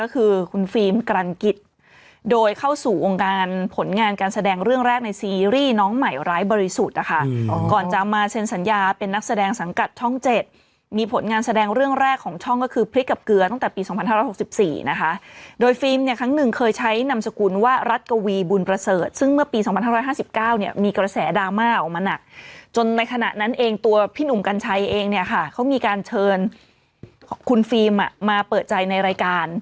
คือคุณฟิล์มกรรณกิจโดยเข้าสู่องค์การผลงานการแสดงเรื่องแรกในซีรีส์น้องใหม่ร้ายบริสุทธิ์อ่ะค่ะอ๋อก่อนจะมาเซ็นสัญญาเป็นนักแสดงสังกัดช่องเจ็ดมีผลงานแสดงเรื่องแรกของช่องก็คือพริกกับเกลือตั้งแต่ปีสองพันห้าร้ายหกสิบสี่นะคะโดยฟิล์มเนี้ยครั้งหนึ่งเคยใช้นำสกุลว่ารั